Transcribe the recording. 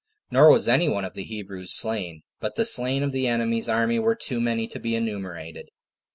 Nor was any one of the Hebrews slain; but the slain of the enemy's army were too many to be enumerated.